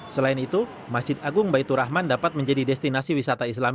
selain itu masjid agung baitur rahman dapat menjadi destinasi wisata islam